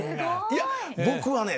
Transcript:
いや僕はね